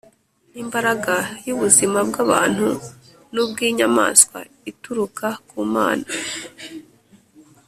Imbaraga y ubuzima bw abantu n ubw inyamaswa ituruka ku Mana